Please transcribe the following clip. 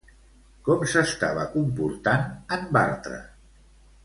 Com s'estava comportant en Bartra?